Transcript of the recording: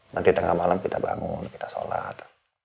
nanti tengah malam kita bangun kita sholat